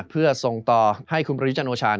เพื่อส่งต่อให้คุณประวิชาโนชา